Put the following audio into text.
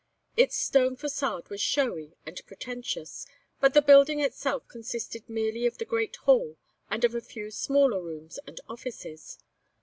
Its stone façade was showy and pretentious, but the building itself consisted merely of the great hall and of a few smaller rooms and offices.